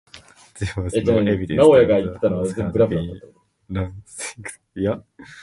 There was no evidence that the house had been ransacked.